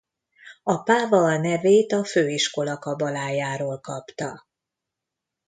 A Páva a nevét a főiskola kabalájáról kapta.